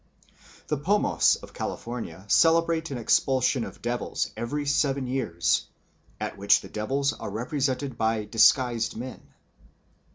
The Pomos of California celebrate an expulsion of devils every seven years, at which the devils are represented by disguised men.